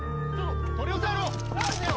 取り押さえろ！